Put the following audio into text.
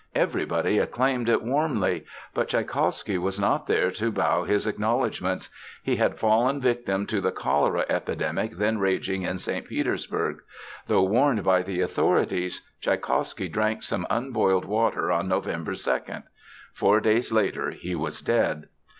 Everybody acclaimed it warmly. But Tschaikowsky was not there to bow his acknowledgment. He had fallen victim to the cholera epidemic then raging in St. Petersburg. Though warned by the authorities, Tschaikowsky drank some unboiled water on November 2. Four days later he was dead.